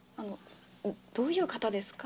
どういう方ですか？